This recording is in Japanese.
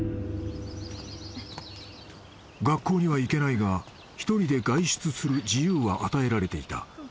［学校には行けないが１人で外出する自由は与えられていた］